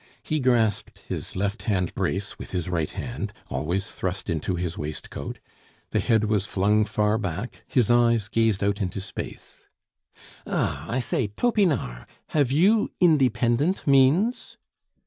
He grasped his left hand brace with his right hand, always thrust into his waistcoat; the head was flung far back, his eyes gazed out into space. "Ah! I say, Topinard, have you independent means?"